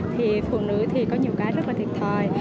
thì phụ nữ thì có nhiều cái rất là thiệt thòi